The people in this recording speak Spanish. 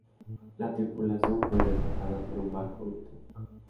La tripulación fue rescatada por un barco británico.